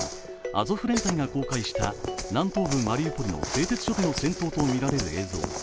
アゾフ連隊が公開した南東部マリウポリの製鉄所での戦闘とみられる映像。